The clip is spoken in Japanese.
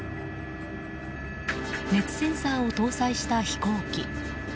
熱センサーを搭載した飛行機。